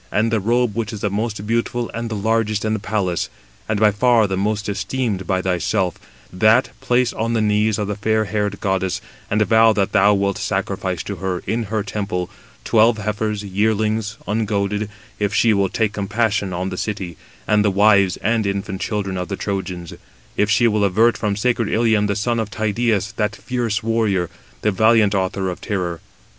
And the robe which is the most beautiful and the largest in the palace, and by far the most esteemed by thyself, that place on the knees of the fair haired goddess, and vow that thou wilt sacrifice to her, in her temple, twelve heifers, yearlings, ungoaded, if she will take compassion on the city, and the wives and infant children of the Trojans; if she will avert from sacred Ilium the son of Tydeus, that fierce warrior, the valiant author of terror.